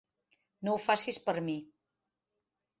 No ho facis per mi!